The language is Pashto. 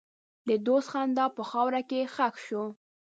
د دوست خندا په خاوره کې ښخ شوه.